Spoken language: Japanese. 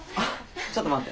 ちょっと待って。